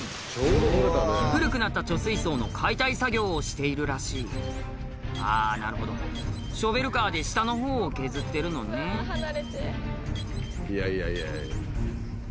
古くなった貯水槽の解体作業をしているらしいあぁなるほどショベルカーで下のほうを削ってるのねいやいやいや。